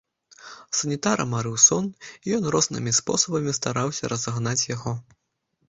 Санітара марыў сон, і ён рознымі спосабамі стараўся разагнаць яго.